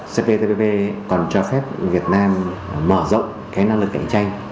cp tpp còn cho phép việt nam mở rộng năng lực cạnh tranh